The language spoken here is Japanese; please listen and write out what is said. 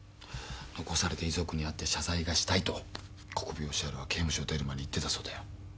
「残された遺族に会って謝罪がしたい」と国府吉春は刑務所を出る前に言ってたそうだよ。